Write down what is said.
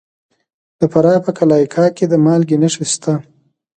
د فراه په قلعه کاه کې د مالګې نښې شته.